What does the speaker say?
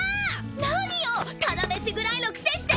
何よタダ飯食らいのくせして！